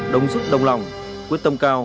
đồng dứt đồng lòng quyết tâm cao